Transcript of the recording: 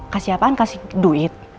kasih apaan kasih duit